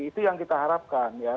itu yang kita harapkan ya